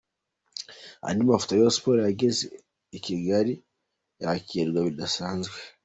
Andi mafoto: Rayon Sports yageze i Kigali yakirwa bidasanzwe.